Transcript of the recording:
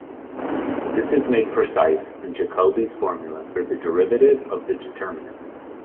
This is made precise in Jacobi's formula for the derivative of the determinant.